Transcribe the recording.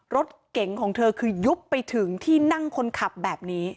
รถเก๋งของเธอคือยุบไปถึงที่นั่งคนขับแบบนี้